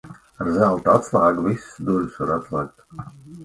Ar zelta atslēgu visas durvis var atslēgt.